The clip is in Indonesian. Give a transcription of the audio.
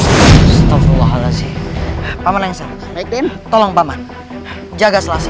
astaghfirullahaladzim paman yang selalu bikin tolong paman jaga selasa